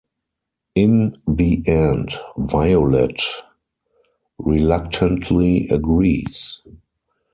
In the end, Violet reluctantly agrees.